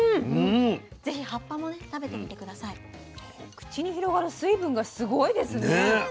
口に広がる水分がすごいですね。ね